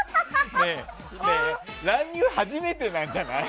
乱入初めてなんじゃない？